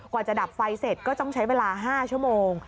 กว่าจะดับไฟเสร็จก็ต้องใช้เวลา๕ชั่วโมง